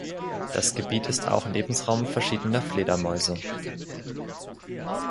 Das Gebiet ist auch Lebensraum verschiedener Fledermäuse.